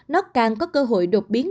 nó càng có cơ hội đột biến